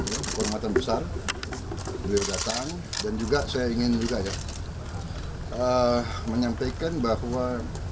beliau kehormatan besar beliau datang dan juga saya ingin juga ya menyampaikan bahwa